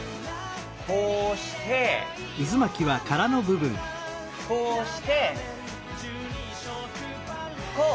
こうしてこうしてこう。